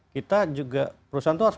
kita juga perusahaan itu harus